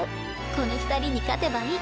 この２人に勝てばいい。